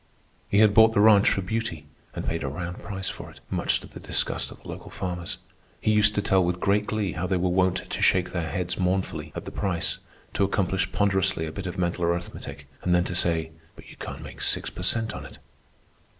He had bought the ranch for beauty, and paid a round price for it, much to the disgust of the local farmers. He used to tell with great glee how they were wont to shake their heads mournfully at the price, to accomplish ponderously a bit of mental arithmetic, and then to say, "But you can't make six per cent on it."